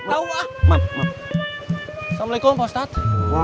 assalamualaikum pak ustadz